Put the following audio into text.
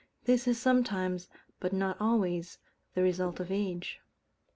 This is sometimes, but not always, the result of age.